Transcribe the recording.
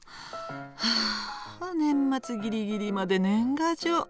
はあ年末ギリギリまで年賀状。